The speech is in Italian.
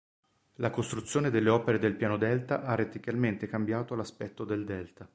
La costruzione delle opere del Piano Delta ha radicalmente cambiato l'aspetto del delta.